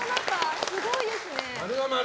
すごいですね。